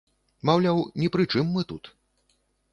Маўляў, ні пры чым мы тут.